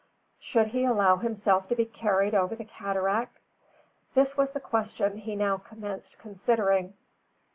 Should he allow himself to be carried over the cataract? This was the question he now commenced considering.